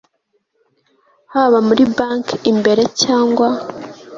haba muri banki imbere cyangwa